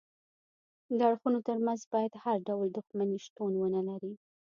د اړخونو ترمنځ باید هیڅ ډول دښمني شتون ونلري